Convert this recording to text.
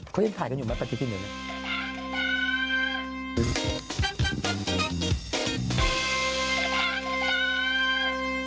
เขายังถ่ายกันอยู่ไหมปฏิทินอยู่ไหน